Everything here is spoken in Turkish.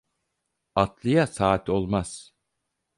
Atlıya saat olmaz.